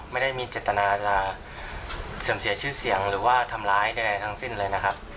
ไม่ได้มีเจตนาจะเสื่อมเสียชื่อเสียงหรือว่าทำร้ายใดทั้งสิ้นเลยนะครับ